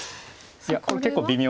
いやこれ結構微妙。